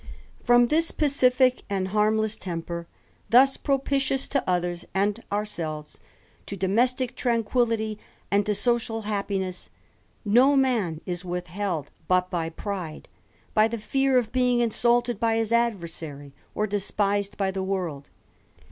From this pacifick and harmless temper, thus propitiousJ to others and ourselves, to domestick tranquillity and to social happiness, no man is withheld but by pride, by th^ fear of being insulted by his adversary, or despised by th^^ * world.